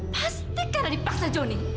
pasti karena dipaksa jonny